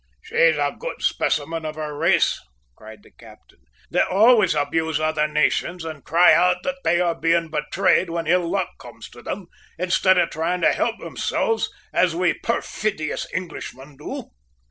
"She's a good specimen of her race," cried the captain. "They always abuse other nations and cry out that they are betrayed when ill luck comes to them, instead of trying to help themselves, as we perfidious Englishmen do."